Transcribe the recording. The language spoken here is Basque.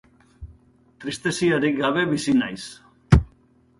Tristeziarik gabe bizi naiz.